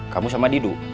kamu sama didu